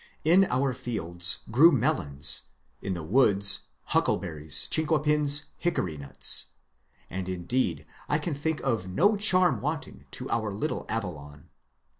In our fields grew melons, in the woods huckle berries, chinquapins, hickory nuts ; and indeed I can think of no charm wanting to our little Avalon.